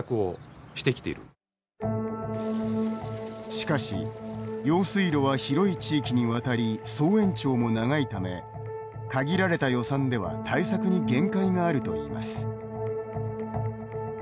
しかし用水路は広い地域に渡り総延長も長いため限られた予算では対策に限界があるといいます。